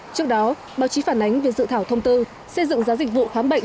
trước đó báo chí phản ánh về dự thảo thông tư xây dựng giá dịch vụ khám bệnh